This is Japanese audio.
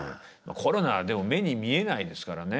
コロナでも目に見えないですからね。